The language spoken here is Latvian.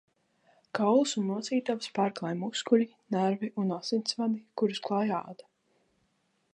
Kaulus un locītavas pārklāj muskuļi, nervi un asinsvadi, kurus klāj āda.